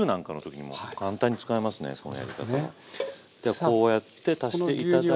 こうやって足して頂いた。